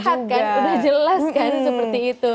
kan udah jelas kan seperti itu